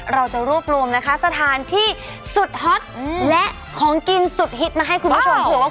เราจะรวบรวมนะคะสถานที่สุดฮอตและของกินสุดฮิตมาให้คุณผู้ชมถือว่า